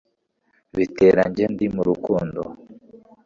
Bitera njye ndi mu rukundo